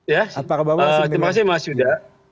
ya terima kasih mas yuda